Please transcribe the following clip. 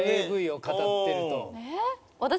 ＡＶを語ってると。